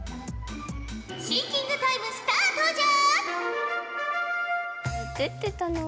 シンキングタイムスタートじゃ！